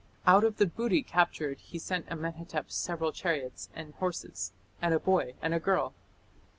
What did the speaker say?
Out of the booty captured he sent Amenhotep several chariots and horses, and a boy and a girl.